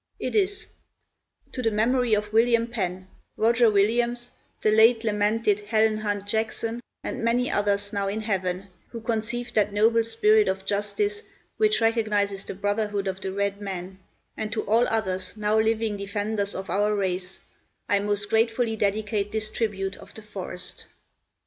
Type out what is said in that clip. It is: "To the memory of William Penn, Roger Williams, the late lamented Helen Hunt Jackson, and many others now in heaven, who conceived that noble spirit of justice which recognizes the brotherhood of the red man, and to all others now living defenders of our race, I most gratefully dedicate this tribute of the forest."